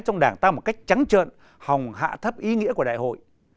trong đảng ta một cách trắng trợn hòng hạ thấp ý nghĩa của đại hội